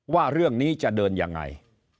ว่าเรื่องนี้จะเดินยังไง